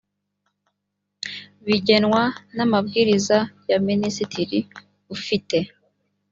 bugenwa n amabwiriza ya minisitiri ufite